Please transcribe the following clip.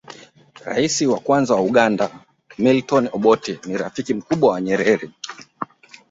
rais wa kwanza wa uganda milton obotte ni rafiki mkubwa wa nyerere